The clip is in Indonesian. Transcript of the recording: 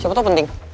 siapa tau penting